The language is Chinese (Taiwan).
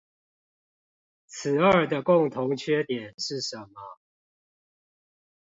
此二的共同缺點是什麼？